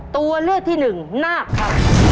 ตัวเลือกที่หนึ่งนาคครับ